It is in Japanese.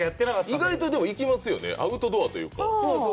意外といきますよね、アウトドアというか。